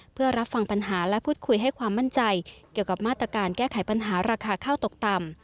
เพื่อรับฟังปัญหาและพูดคุยให้ความมั่นใจเกี่ยวกับมาตรการแก้ไขปัญหาราคาข้าวตกต่ำ